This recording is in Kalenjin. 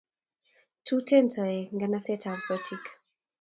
Tuten toek nganaset a b Sotik